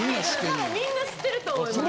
多分みんな知ってると思います。